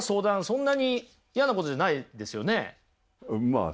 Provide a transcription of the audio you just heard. そんなに嫌なことじゃないですよね。